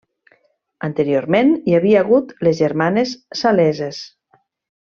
Anteriorment hi havia hagut les germanes Saleses.